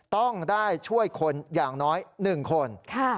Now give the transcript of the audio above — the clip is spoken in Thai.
ต้องได้ช่วยคนอย่างน้อย๑คน